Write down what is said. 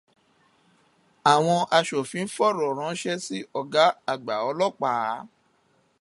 Àwọn aṣòfin fọ̀rọ̀ ráńṣẹ́ sí Ọ̀gá àgbà Ọlọ́pàá.